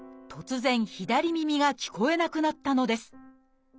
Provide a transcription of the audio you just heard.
突然左耳が聞こえなくなったのです。